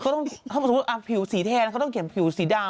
ถ้าสมมุติผิวสีแทนเขาต้องเขียนผิวสีดำ